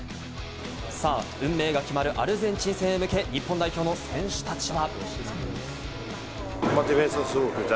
運命が決まるアルゼンチン戦へ向け、日本代表の選手たちは。